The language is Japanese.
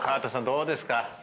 どうですか？